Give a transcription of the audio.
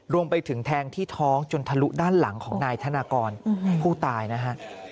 รวมไปถึงแทงที่ท้องจนทะลุด้านหลังของนายธนากรผู้ตายนะฮะ